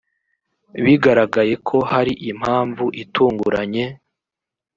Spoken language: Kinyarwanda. bigaragaye ko hari impamvu itunguranye